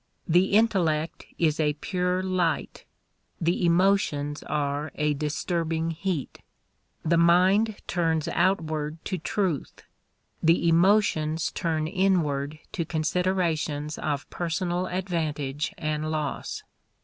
The intellect is a pure light; the emotions are a disturbing heat. The mind turns outward to truth; the emotions turn inward to considerations of personal advantage and loss.